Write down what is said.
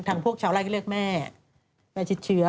พวกชาวไร่ก็เรียกแม่แม่ชิดเชื้อ